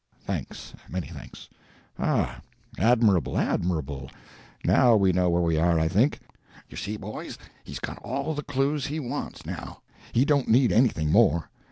Thanks, many thanks. Ah, admirable, admirable! Now we know where we are, I think.' You see, boys, he's got all the clues he wants now; he don't need anything more.